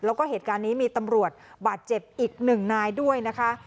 แล้วก็เหตุการณ์นี้มีตำรวจบาดเจ็บอีกหนึ่งนายด้วยนะคะ